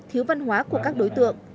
thiếu văn hóa của các đối tượng